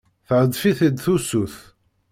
Theddef-it-id tusut.